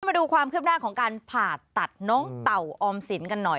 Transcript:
มาดูความคืบหน้าของการผ่าตัดน้องเต่าออมสินกันหน่อย